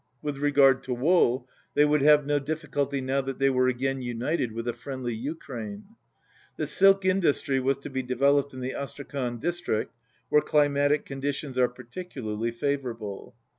With regard to wool, they would have no difficulty now that they were again united with a friendly Ukraine. The silk industry was to be developed in the Astrakhan district where climatic conditions are particularly favourable.